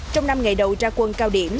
trong năm ngày đầu ra quân cao điểm